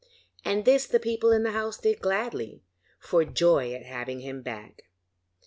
And this the people in the house did gladly, for joy at having him back.